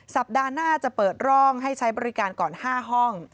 สัปดาห์หน้าจะเปิดร่องให้ใช้บริการก่อน๕ห้อง